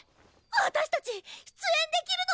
私たち出演できるの⁉